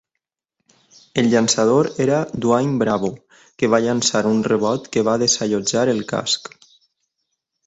El llançador era Dwayne Bravo, que va llançar un rebot que va desallotjar el casc.